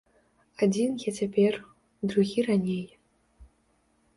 Адзін я цяпер, другі раней.